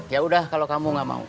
yaudah kalau kamu gak mau